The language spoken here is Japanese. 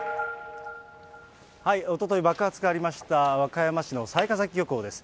おととい爆発がありました和歌山市の雑賀崎漁港です。